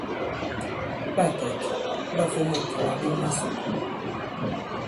Ɓâ kɛ̀k ɓâ fomôk kì màɓok masò.